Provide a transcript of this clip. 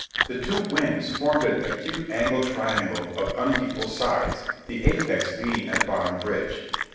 The two wings formed an acute angle triangle of unequal sides, the apex being at Bottom Bridge.